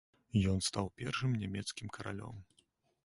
Ён стаў першым нямецкім каралём.